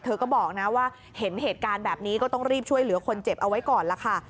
เธอก็บอกนะว่าเห็นเหตุการณ์แบบนี้ก็ต้องรีบช่วยเหลือคนเจ็บเอาไว้ก่อนล่ะค่ะ